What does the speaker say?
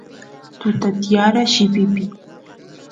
tuta tiyara llipipiy